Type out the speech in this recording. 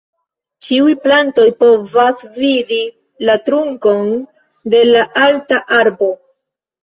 Ĉiuj plantoj povas vidi la trunkon de la alta arbo.